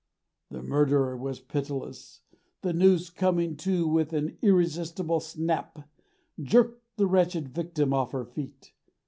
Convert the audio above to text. The murderer was pitiless, the noose coming to with an irresistible snap, jerked the wretched victim off her feet.